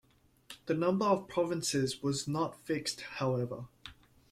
The number of provinces was not fixed, however.